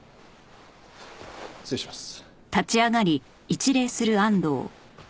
失礼します。